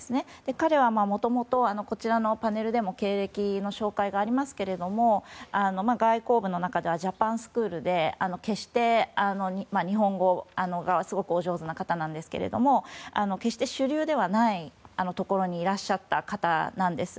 彼はもともとこちらのパネルでも経歴の紹介がありますが外交部の中ではジャパンスクールで日本語がすごくお上手な方なんですが決して主流ではないところにいらっしゃった方なんです。